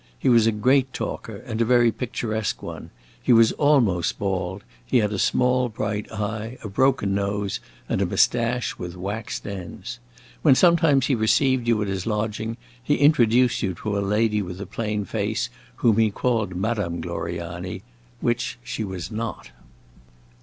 He was a great talker, and a very picturesque one; he was almost bald; he had a small, bright eye, a broken nose, and a moustache with waxed ends. When sometimes he received you at his lodging, he introduced you to a lady with a plain face whom he called Madame Gloriani which she was not.